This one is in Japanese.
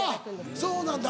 あっそうなんだ。